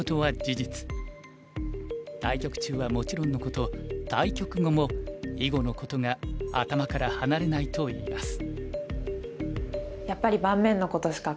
対局中はもちろんのこと対局後も囲碁のことが頭から離れないといいます。